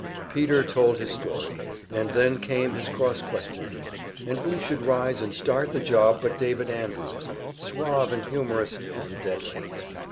Peter told his story, and then came his cross questioning, and who should rise and start the job but David Andrews, suave and humorous and deadly.